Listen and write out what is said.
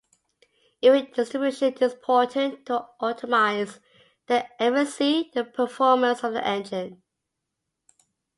Even distribution is important to optimize the efficiency and performance of the engine.